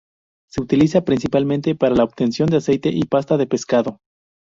Se utiliza principalmente para la obtención de aceite y pasta de pescado